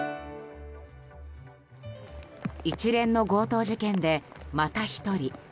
一連の強盗事件でまた１人。